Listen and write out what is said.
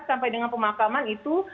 sampai dengan pemakaman itu